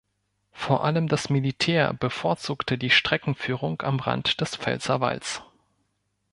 Vor allem das Militär bevorzugte die Streckenführung am Rand des Pfälzerwalds.